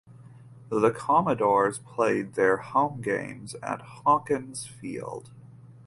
The Commodores played their home games at Hawkins Field.